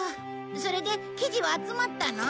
それで記事は集まったの？